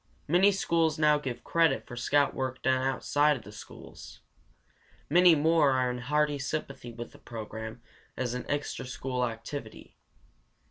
Many schools now give credit for scout work done outside of the schools. Many more are in hearty sympathy with the program as an extraschool activity.